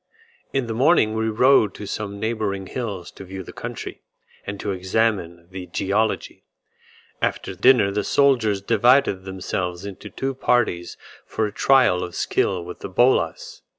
In the morning we rode to some neighbouring hills to view the country, and to examine the geology. After dinner the soldiers divided themselves into two parties for a trial of skill with the bolas.